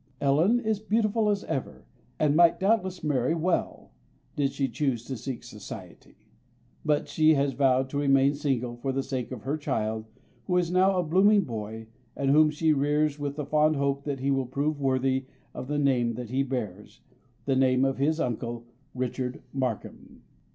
Ellen is beautiful as ever, and might doubtless marry well, did she choose to seek society: but she has vowed to remain single for the sake of her child, who is now a blooming boy, and whom she rears with the fond hope that he will prove worthy of the name that he bears—the name of his uncle, Richard Markham.